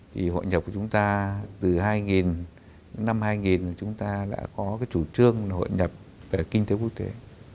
thì hội nhập của chúng ta từ hai nghìn năm hai nghìn chúng ta đã có cái chủ trương hội nhập về kinh tế quốc tế